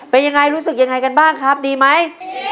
เป็นยังไงรู้สึกยังไงกันบ้างครับดีไหม